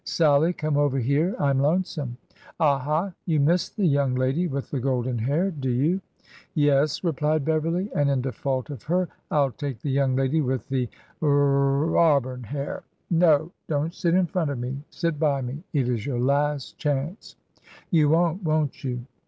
Sallie, come over here ! I 'm lonesome.'' A ha ! you miss the young lady with the golden hair, do you ?"'' Yes," replied Beverly. '' And in default of her, I 'll take the young lady with the r — auburn hair. No ! Don't sit in front of me. Sit by me. It is your last chance. ... You won't, won't you?